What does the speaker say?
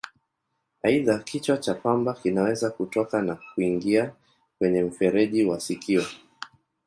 Aidha, kichwa cha pamba kinaweza kutoka na kuingia kwenye mfereji wa sikio.